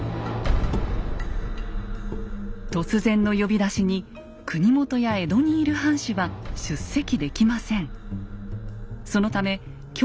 突然の呼び出しに国元や江戸にいる藩主は出席できません。